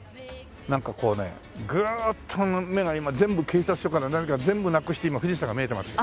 なんかこうねグーッと目が今全部警察署から何から全部なくして今富士山が見えてますよ。